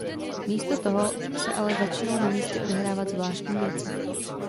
Místo toho se ale začnou na místě odehrávat zvláštní věci.